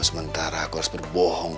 sementara aku harus berbohong